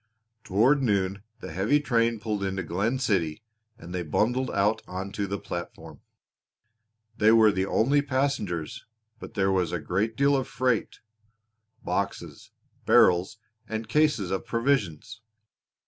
Toward noon the heavy train pulled into Glen City and they bundled out on to the platform. They were the only passengers, but there was a great deal of freight boxes, barrels, and cases of provisions.